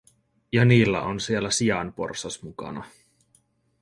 Ja niillä on siellä sianporsas mukana.